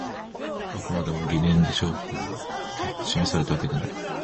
あくまでも疑念で証拠が示されたわけではない